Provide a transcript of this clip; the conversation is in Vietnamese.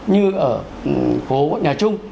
như ở phố nhà trung